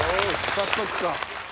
早速か。